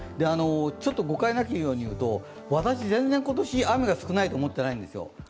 誤解なきように言うと、私、全然今年、雨が少ないと思ってないんですよ。